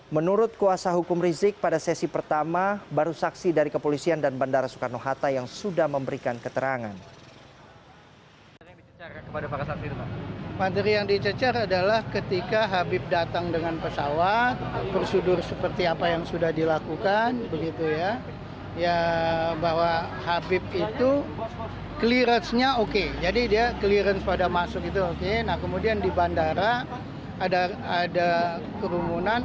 menurut kuasa hukum rizik pada sesi pertama baru saksi dari kepolisian dan bandara soekarno hatta yang sudah memberikan keterangan